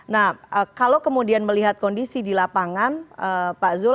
nah kalau kemudian melihat kondisi di lapangan pak zul